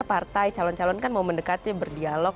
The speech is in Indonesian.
partai calon calon kan mau mendekati berdialog